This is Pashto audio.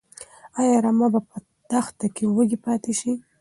ايا رمه به په دښته کې وږي پاتې شي؟